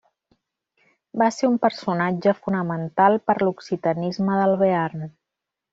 Va ser un personatge fonamental per l'occitanisme del Bearn.